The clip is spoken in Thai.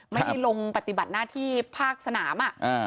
ไม่ได้ลงปฏิบัติหน้าที่ภาคสนาม